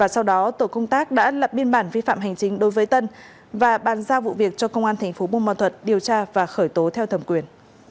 sau đó tổ công tác đã lập biên bản vi phạm hành chính đối với tân và bàn giao vụ việc cho công an thành phố bùn ma thuật điều tra và khởi tố theo thẩm quyền